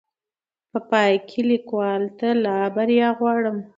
په پاى کې ليکوال ته لا بريا غواړم